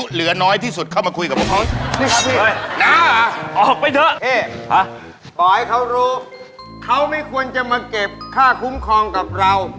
เฮ่ยปล่อยเขารู้เขาไม่ควรจะมาเก็บค่าคุ้มครองกับเรา